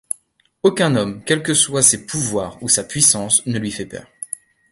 Aucun homme, quels que soient ses pouvoirs ou sa puissance, ne lui fait peur.